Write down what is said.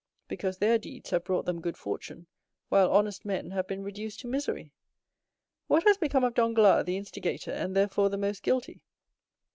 "Because their deeds have brought them good fortune, while honest men have been reduced to misery." "What has become of Danglars, the instigator, and therefore the most guilty?"